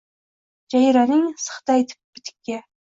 Jayraning sixiday tip-tikka.